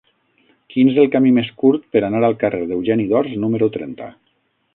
Quin és el camí més curt per anar al carrer d'Eugeni d'Ors número trenta?